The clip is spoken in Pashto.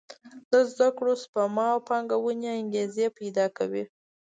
د زده کړو، سپما او پانګونې انګېزې پېدا کوي.